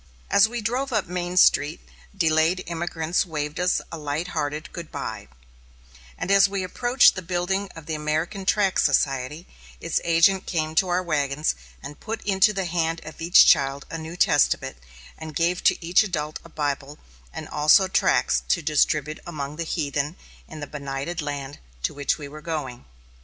As we drove up Main Street, delayed emigrants waved us a light hearted good bye, and as we approached the building of the American Tract Society, its agent came to our wagons and put into the hand of each child a New Testament, and gave to each adult a Bible, and also tracts to distribute among the heathen in the benighted land to which we were going.